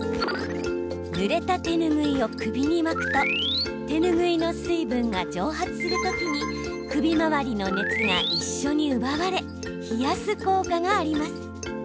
ぬれた手ぬぐいを首に巻くと手ぬぐいの水分が蒸発するときに首回りの熱が一緒に奪われ冷やす効果があります。